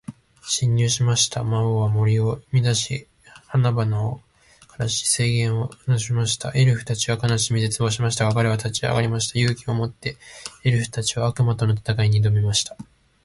ある日、森に悪意を持つ魔王が侵入しました。魔王は森を乱し、花々を枯らし、水源を汚しました。エルフたちは悲しみ、絶望しましたが、彼らは立ち上がりました。勇気を持って、エルフたちは魔王との戦いに挑みました。